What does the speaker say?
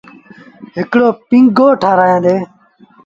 هڪڙو پيٚنگو ٺآرآيآندي۔